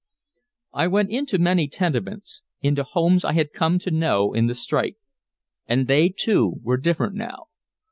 I went into many tenements, into homes I had come to know in the strike. And they, too, were different now.